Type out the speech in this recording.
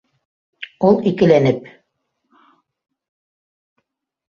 Ул икеләнеп: